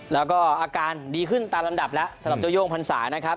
แล้วก็อาการดีขึ้นตามลำดับแล้วสำหรับเจ้าโย่งพรรษานะครับ